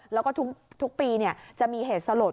แล้วก็ทุกปีจะมีเหตุสลด